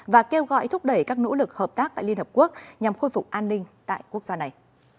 và kêu gọi thúc đẩy các nỗ lực hợp tác tại liên hợp quốc nhằm khôi phục an ninh tại quốc gia này